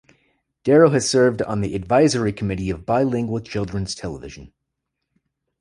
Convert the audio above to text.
Darrow has served on the "Advisory Committee of Bilingual Children's Television".